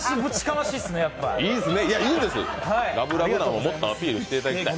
ラブラブなのをもっとアピールしていただきたい。